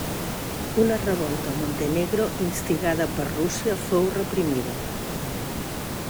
Una revolta a Montenegro instigada per Rússia fou reprimida.